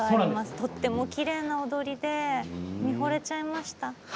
とてもきれいな踊りで見ほれちゃいました。